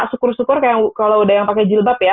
syukur syukur kayak kalau udah yang pakai jilbab ya